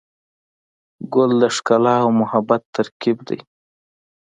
ګل د ښکلا او محبت ترکیب دی.